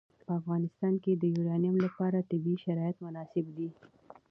په افغانستان کې د یورانیم لپاره طبیعي شرایط مناسب دي.